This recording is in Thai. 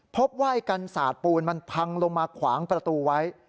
พบว่ายกันสาดปูนมันพังลงมาขวางประตูไว้